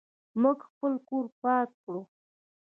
موږ خپل کور پاک کړ.